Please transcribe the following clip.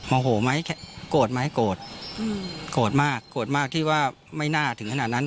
โมโหไหมโกรธไหมโกรธโกรธมากโกรธมากที่ว่าไม่น่าถึงขนาดนั้น